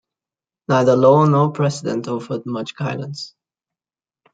Neither law nor precedent offered much guidance.